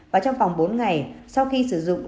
và trong vòng bốn ngày sau khi sử dụng